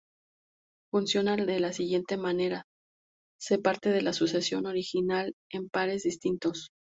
Funciona de la siguiente manera: se parte la sucesión original en pares distintos.